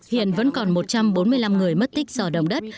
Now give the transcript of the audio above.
hiện vẫn còn một trăm bốn mươi năm người mất tích do động đất